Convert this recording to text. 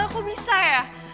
kok bisa ya